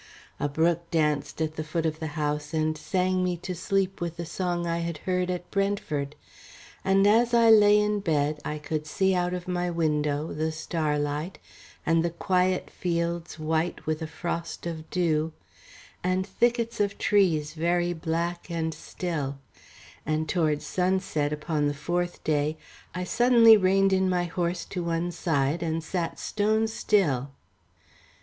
A brook danced at the foot of the house, and sang me to sleep with the song I had heard at Brentford, and, as I lay in bed, I could see out of my window the starlight and the quiet fields white with a frost of dew and thickets of trees very black and still; and towards sunset upon the fourth day, I suddenly reined in my horse to one side and sat stone still.